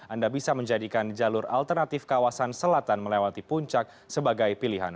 anda bisa menjadikan jalur alternatif kawasan selatan melewati puncak sebagai pilihan